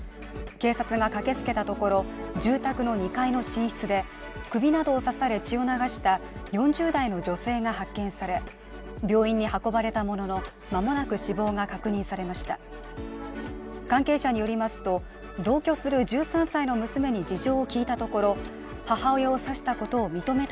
警察が駆けつけたところ住宅の２階の寝室で首などを刺され血を流した４０代の女性が発見され病院に運ばれたものの間もなく死亡が確認されました。